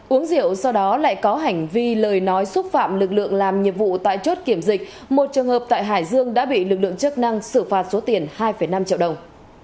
uống rượu sau đó lại có hành vi lời nói xúc phạm lực lượng làm nhiệm vụ tại chốt kiểm dịch một trường hợp tại hải dương đã bị lực lượng chức năng xử phạt số tiền hai năm triệu đồng